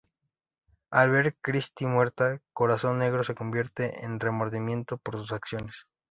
Al ver a Kristy muerta, Corazón Negro se convierte en remordimiento por sus acciones.